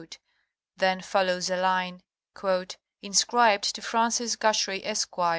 Then follows a line " Inscribed to Francis Gashrey Esq'."